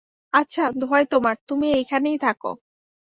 আচ্ছা, দোহাই তোমার, তুমি এইখানেই থাকো।